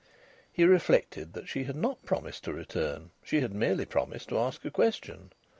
He reflected that she had not promised to return; she had merely promised to ask a question.